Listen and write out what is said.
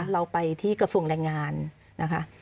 เราไปที่กระทรวงแรงงานนะคะ